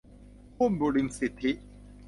หุ้นบุริมสิทธิ